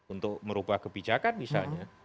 untuk merubah kebijakan misalnya